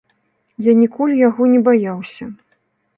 Я ніколі яго не баяўся.